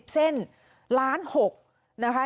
เส้นล้าน๖นะคะ